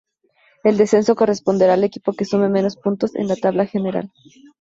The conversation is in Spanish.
El descenso corresponderá al equipo que sume menos puntos en la "Tabla General".